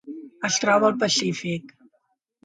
Es troba al Pacífic: